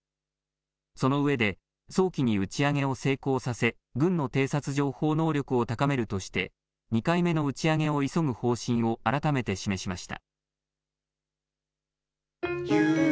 その上で、早期に打ち上げを成功させ、軍の偵察情報能力を高めるとして、２回目の打ち上げを急ぐ方針を改めて示しました。